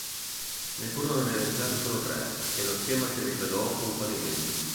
Ne furono realizzati solo tre e lo schema si rivelò un fallimento.